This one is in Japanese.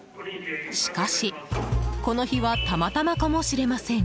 しかし、この日はたまたまかもしれません。